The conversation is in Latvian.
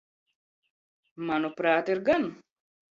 Manuprāt, ir gan.